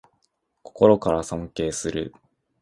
心から尊敬する